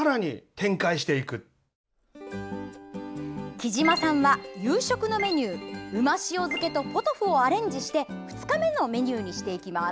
きじまさんは夕食のメニュー旨塩漬けとポトフをアレンジして２日目のメニューにしていきます。